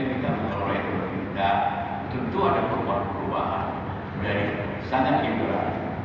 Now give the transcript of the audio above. karena tidak banyak hingga